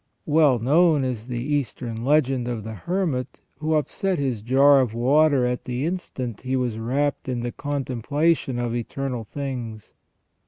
Well known is the Eastern legend of the hermit who upset his jar of water at the instant he was rapt in the contemplation of eternal things.